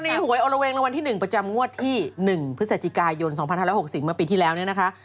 กรณีหวยอลวงละวันที่๑ประจำงวดที่๑พฤศจิกายนศ๒๐๖๐มาปีที่แล้วนี่นะคะ